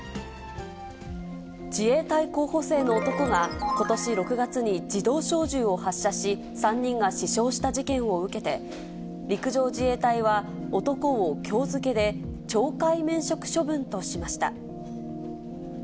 自衛隊候補生の男がことし６月に自動小銃を発射し、３人が死傷した事件を受けて、陸上自衛隊は、男をきょう付けで、懲戒免職処分としました。